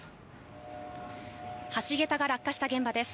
橋桁が落下した現場です。